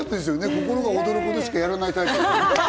心が躍ることしかやらない。